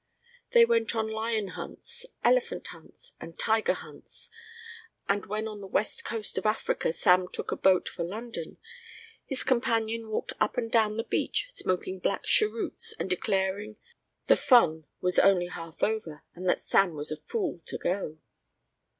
They went on lion hunts, elephant hunts and tiger hunts, and when on the west coast of Africa Sam took a boat for London, his companion walked up and down the beach smoking black cheroots and declaring the fun was only half over and that Sam was a fool to go.